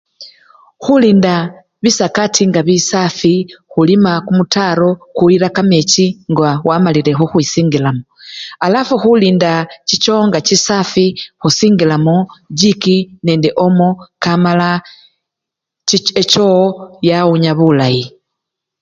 Khulinda bisakati nga bisafi, khulima kumutaro kukuyila kamechi ngawamalile khukhwisingilamo, alafu khulinda chichoo nga chisafi khusingilamo jikii nende omo kamala chi! echoo yawunya bulayi.